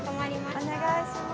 お願いします。